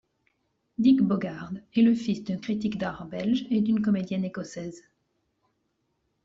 Dirk Bogarde est le fils d'un critique d'art belge et d'une comédienne écossaise.